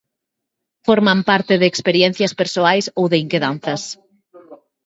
Forman parte de experiencias persoais ou de inquedanzas?